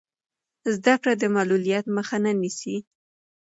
زده کړه د معلولیت مخه نه نیسي.